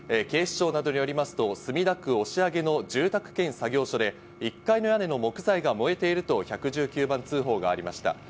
警視庁などによりますと、今日午前１１時すぎ、墨田区押上の住宅兼作業所で１階の屋根の木材が燃えていると１１９番通報がありました。